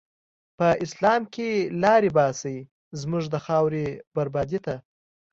په اسلام کی لاری باسی، زموږ د خاوری بربادی ته